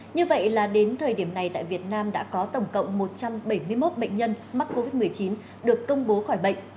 như vậy là đến thời điểm này tại việt nam đã có tổng cộng một trăm bảy mươi một bệnh nhân mắc covid một mươi chín được công bố khỏi bệnh